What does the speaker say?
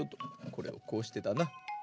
これをこうしてだな。